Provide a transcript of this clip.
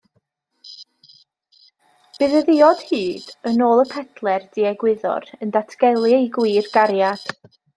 Bydd y ddiod hud, yn ôl y pedler diegwyddor, yn datgelu ei gwir gariad.